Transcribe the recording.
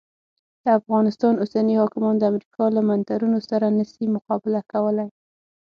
د افغانستان اوسني حاکمان د امریکا له منترونو سره نه سي مقابله کولای.